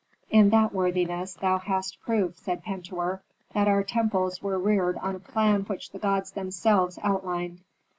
"In that, worthiness, thou hast proof," said Pentuer, "that our temples were reared on a plan which the gods themselves outlined.